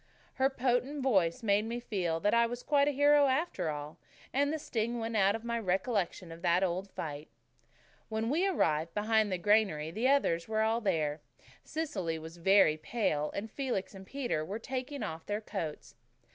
Her potent voice made me feel that I was quite a hero after all, and the sting went out of my recollection of that old fight. When we arrived behind the granary the others were all there. Cecily was very pale, and Felix and Peter were taking off their coats.